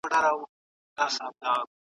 ستا په خبرو کې د یوې رښتینې بریا نښې ښکاري.